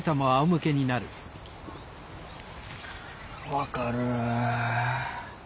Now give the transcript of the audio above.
分かる。